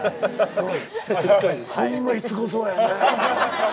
ホンマしつこそうやね。